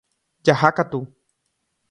Jahákatu